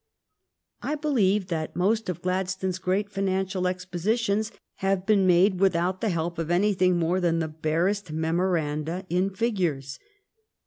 I believe that most of Gladstone's great financial expositions have been made without the help of anything more than the barest memoranda in figures.